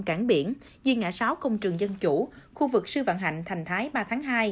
cảng biển duyên ngã sáu công trường dân chủ khu vực sư vạn hạnh thành thái ba tháng hai